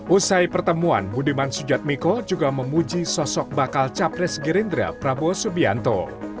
usai pertemuan budiman sujatmiko juga memuji sosok bakal capres gerindra prabowo subianto